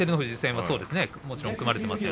もちろん組まれていません。